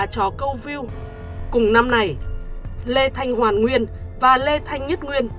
cùng năm này lê thanh hoàn nguyên và lê thanh nhất nguyên